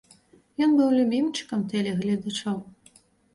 Ён быў любімчыкам тэлегледачоў.